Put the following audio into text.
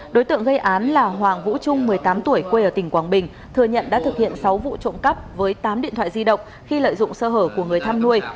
đối tượng gây án là hoàng vũ trung một mươi tám tuổi quê ở tỉnh quảng bình thừa nhận đã thực hiện sáu vụ trộm cắp với tám điện thoại di động khi lợi dụng sơ hở của người tham nuôi